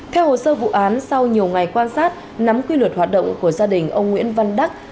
theo hồ sơ vụ án sau nhiều ngày quan sát nắm quy luật hoạt động của gia đình ông nguyễn văn đắc